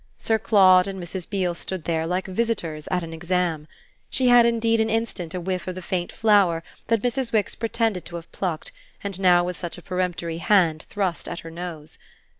Sir Claude and Mrs. Beale stood there like visitors at an "exam." She had indeed an instant a whiff of the faint flower that Mrs. Wix pretended to have plucked and now with such a peremptory hand thrust at her nose.